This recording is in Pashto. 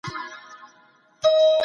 که همغږي ګډوډه شي، خوب ستونزمن کېږي.